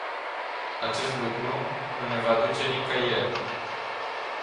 Acest lucru nu ne va duce nicăieri.